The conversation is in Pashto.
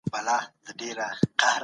په پلي تګ کې پیسې نه مصرفېږي.